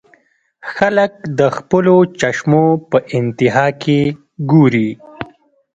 خلک د خپلو چشمو پۀ انتها کښې ګوري -